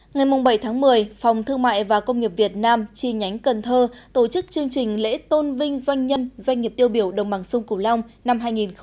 ngày bảy tháng một mươi phòng thương mại và công nghiệp việt nam chi nhánh cần thơ tổ chức chương trình lễ tôn vinh doanh nhân doanh nghiệp tiêu biểu đồng bằng sông cửu long năm hai nghìn một mươi chín